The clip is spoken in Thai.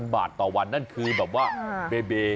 ๕๐๐๑๐๐๐บาทต่อวันนั่นคือแบบว่าเบเบ